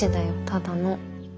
ただの。